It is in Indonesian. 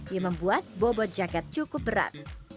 yang membuat bobot jaket cukup berat